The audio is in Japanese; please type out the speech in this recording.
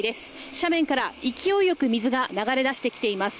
斜面から勢いよく水が流れ出してきています。